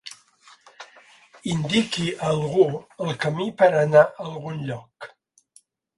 Indiqui a algú el camí per anar a algun lloc.